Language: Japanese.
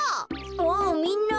ああみんな。